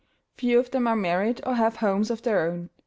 Few of them are married, or have homes of their own.